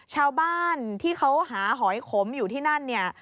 ชาวบ้านที่เขาหาหอยขมอยู่ที่นั่นเนี่ย